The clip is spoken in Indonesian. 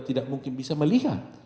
tidak mungkin bisa melihat